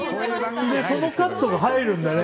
でそのカットも入るんだよね。